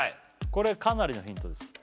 これかなりのヒントです